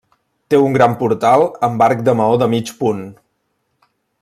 Té un gran portal amb arc de maó de mig punt.